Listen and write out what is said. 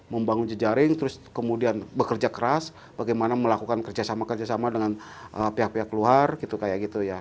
membangun jejaring terus kemudian bekerja keras bagaimana melakukan kerjasama kerjasama dengan pihak pihak luar gitu kayak gitu ya